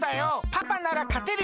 パパならかてるよ。